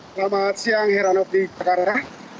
selamat siang heranopi pakara